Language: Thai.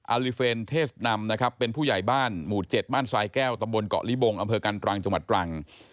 ลิเฟนเทศนำนะครับเป็นผู้ใหญ่บ้านหมู่๗บ้านทรายแก้วตำบลเกาะลิบงอำเภอกันตรังจังหวัดตรัง